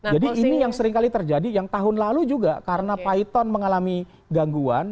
jadi ini yang sering kali terjadi yang tahun lalu juga karena python mengalami gangguan